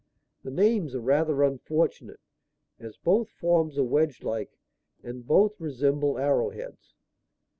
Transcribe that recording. The names are rather unfortunate, as both forms are wedge like and both resemble arrow heads.